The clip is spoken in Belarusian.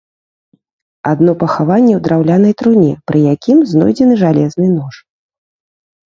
Адно пахаванне ў драўлянай труне, пры якім знойдзены жалезны нож.